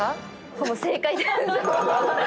ほぼ正解です。